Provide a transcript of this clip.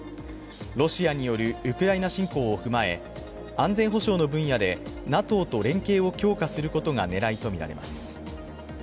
ロシアによるウクライナ侵攻を踏まえ、安全保障の分野でＮＡＴＯと連携を強化することが狙いとみられます。